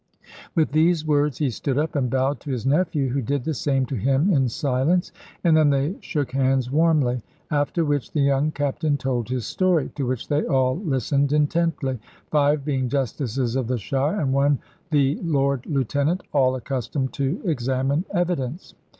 With these words he stood up, and bowed to his nephew; who did the same to him in silence, and then they shook hands warmly. After which the young Captain told his story, to which they all listened intently five being justices of the shire, and one the lord lieutenant all accustomed to examine evidence.